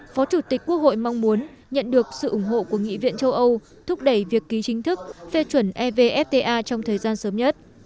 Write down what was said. phó chủ tịch quốc hội mong muốn nhận được sự ủng hộ của nghị viện châu âu thúc đẩy việc ký chính thức phê chuẩn evfta trong thời gian sớm nhất